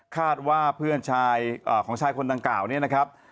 คาดว่าเพื่อนชายของชายคนดังกล่าวเนี่ยนะครับ